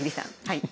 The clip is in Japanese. はい。